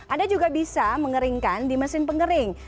anda juga bisa mengeringkan di mesin pengering